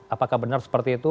apakah benar seperti itu